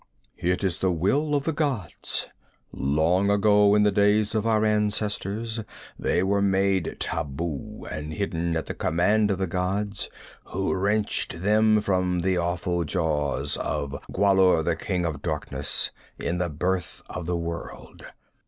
'It is the will of the gods! Long ago, in the days of our ancestors, they were made taboo and hidden at the command of the gods, who wrenched them from the awful jaws of Gwahlur the king of darkness, in the birth of the world.